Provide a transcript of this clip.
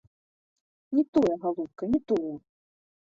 Не тое, галубка, не тое!